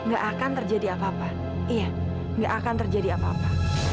gak akan terjadi apa apa iya nggak akan terjadi apa apa